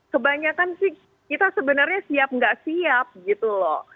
kebanyakan sih kita sebenarnya siap nggak siap gitu loh